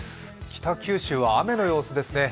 北九州は雨の様子ですね。